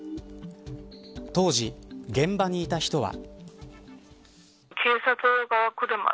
当時、現場にいた人は。